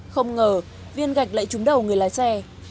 không ngờ viên gạch lại trúng đầu người lái xe